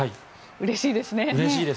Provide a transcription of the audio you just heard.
うれしいです。